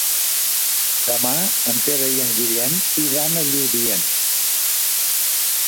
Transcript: Demà en Pere i en Guillem iran a Lludient.